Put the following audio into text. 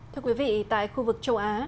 thưa quý vị tại khu vực châu á